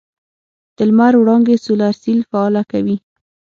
د لمر وړانګې سولر سیل فعاله کوي.